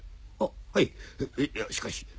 はいいやしかし。